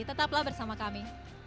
tetaplah bersama kami